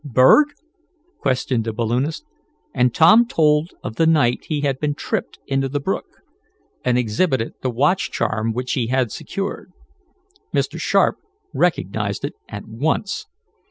"Berg?" questioned the balloonist, and Tom told of the night he had been tripped into the brook, and exhibited the watch charm he had secured. Mr. Sharp recognized it at once.